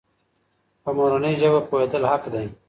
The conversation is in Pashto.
په مورنۍ ژبه پوهېدل حق دی.